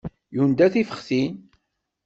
Yunda tiqeftin.